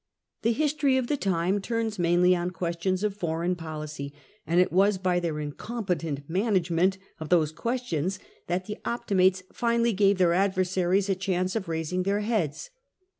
The history of the time turns mainly on questions of foreign policy, and it was by their incompetent manage ment of those questions that the Optimates finally gave their adversaries a chance of raising their heads.